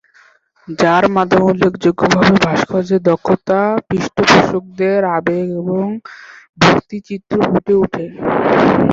যার মাধ্যমে উল্লেখযোগ্যভাবে ভাস্কর্যের দক্ষতা, পৃষ্ঠপোষকদের আবেগ এবং ভক্তি চিত্র ফুটে উঠে।